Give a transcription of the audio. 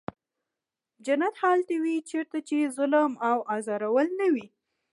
جنت هلته وي چېرته چې ظلم او ازارول نه وي.